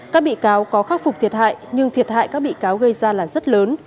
các bị cáo có khắc phục thiệt hại nhưng thiệt hại các bị cáo gây ra là rất lớn